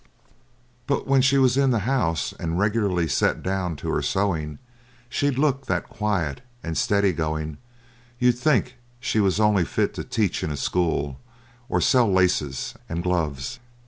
But when she was in the house and regularly set down to her sewing she'd look that quiet and steady going you'd think she was only fit to teach in a school or sell laces and gloves.